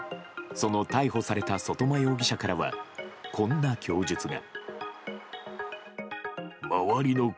その逮捕された外間容疑者からはこんな供述が。